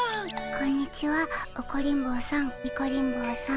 こんにちはオコリン坊さんニコリン坊さん。